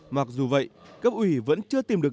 mặc dù vậy cấp ủy vẫn chưa tìm được